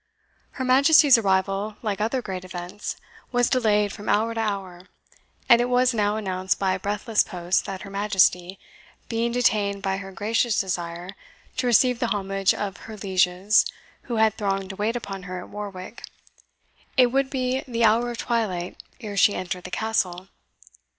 Her Majesty's arrival, like other great events, was delayed from hour to hour; and it was now announced by a breathless post that her Majesty, being detained by her gracious desire to receive the homage of her lieges who had thronged to wait upon her at Warwick, it would be the hour of twilight ere she entered the Castle.